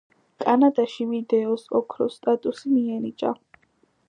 კანადაში ვიდეოს ოქროს სტატუსი მიენიჭა.